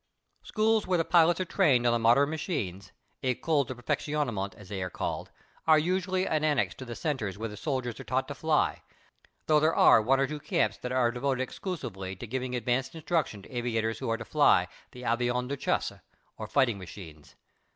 Schools where the pilots are trained on the modern machines écoles de perfectionnement as they are called are usually an annex to the centres where the soldiers are taught to fly, though there are one or two camps that are devoted exclusively to giving advanced instruction to aviators who are to fly the avions de chasse, or fighting machines.